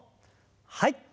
はい。